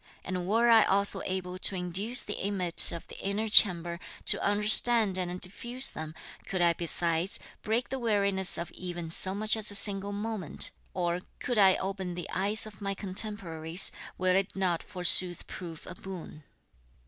And were I also able to induce the inmates of the inner chamber to understand and diffuse them, could I besides break the weariness of even so much as a single moment, or could I open the eyes of my contemporaries, will it not forsooth prove a boon?